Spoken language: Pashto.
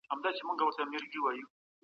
براون اقتصادي وده او پرمختیا ورته مفهوم بولي.